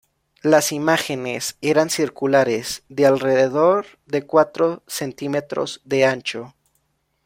Las imágenes eran circulares, de alrededor de cuatro centímetros de ancho.